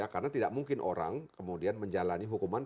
karena tidak mungkin orang kemudian menjalani hukuman